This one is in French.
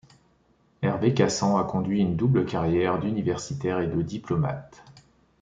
Hervé Cassan a conduit une double carrière d’universitaire et de diplomate.